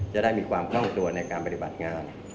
จะได้มีความคล่องตัวในการปฏิบัติงาน